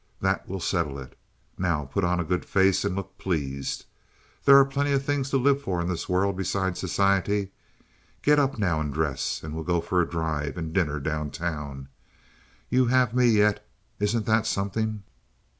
That will settle it. Now put on a good face and look pleased; there are plenty of things to live for in this world besides society. Get up now and dress, and we'll go for a drive and dinner down town. You have me yet. Isn't that something?"